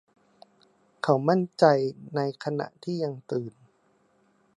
เขามั่นใจในขณะที่ยังตื่น